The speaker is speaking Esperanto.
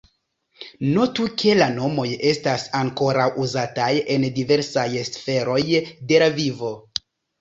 Notu ke la nomoj estas ankoraŭ uzataj en diversaj sferoj de la vivo.